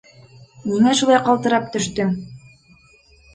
Ниңә шулай ҡалтырап төштөң?